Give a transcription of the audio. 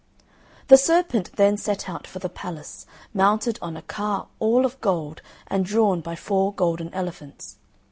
The serpent then set out for the palace, mounted on a car all of gold and drawn by four golden elephants.